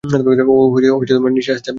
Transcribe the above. ও নিচে আসতে চায় না।